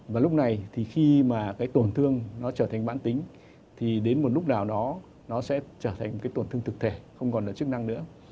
và lúc này thì khi mà cái tổn thương nó trở thành bản tính thì đến một lúc nào đó nó sẽ trở thành cái tổn thương thực thể không còn nợ chức năng nữa